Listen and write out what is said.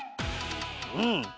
うん！